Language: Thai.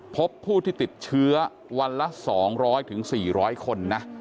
พบผู้ที่ติดเชื้อวันละ๒๐๐๔๐๐คนนะ